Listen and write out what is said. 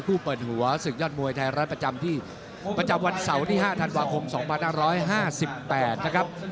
เปิดหัวศึกยอดมวยไทยรัฐประจำที่ประจำวันเสาร์ที่๕ธันวาคม๒๕๕๘นะครับ